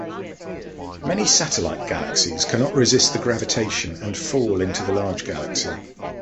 Many satellite galaxies cannot resist the gravitation and "fall" into the large galaxy.